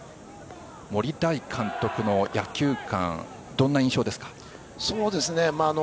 森大監督の野球観はどんな印象ですか？